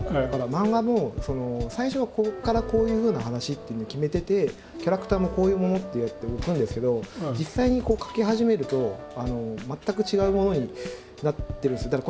だから漫画も最初はここからこういうふうな話っていうふうに決めててキャラクターもこういうものってやって置くんですけど実際に描き始めると全く違うものになってるんです。